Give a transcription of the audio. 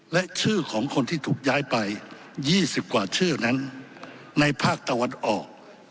และชื่อของคนที่ถูกย้ายไป๒๐กว่าชื่อนั้นในภาคตะวันออก